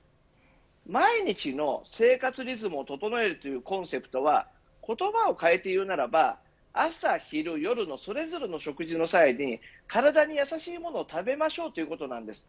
毎日の生活リズムを整えるというコンセプトは言葉を変えていうならば朝、昼、夜のそれぞれの食事の際に体に優しいものを食べましょうということなんです。